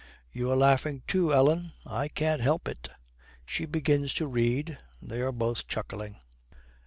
'You are laughing too, Ellen. I can't help it!' She begins to read; they are both chuckling.